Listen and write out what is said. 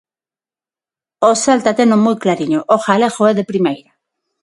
O Celta teno moi clariño: 'O galego é de Primeira'.